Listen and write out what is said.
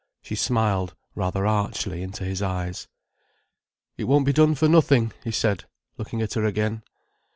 She smiled rather archly into his eyes. "It won't be done for nothing," he said, looking at her again.